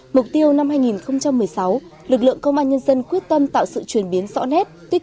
mục tiêu năm hai nghìn một mươi sáu lực lượng công an nhân dân quyết tâm tạo sự chuyển biến rõ nét